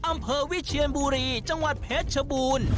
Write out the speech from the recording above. อำเภอวิเชียนบุรีจังหวัดเพชรชบูรณ์